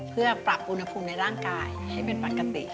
เพื่อปรับอุณหภูมิในร่างกายให้เป็นปกติ